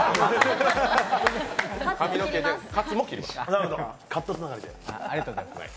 髪の毛かつも切りました。